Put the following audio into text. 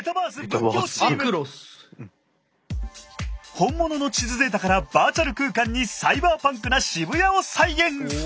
本物の地図データからバーチャル空間にサイバーパンクな渋谷を再現！